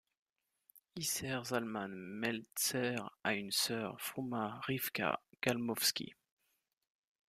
Isser Zalman Meltzer a une sœur Fruma Rivka Galmovsky.